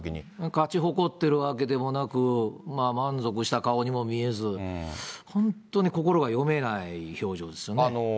勝ち誇ってるわけでもなく、まあ、満足した顔にも見えず、本当に心が読めない表情ですよね。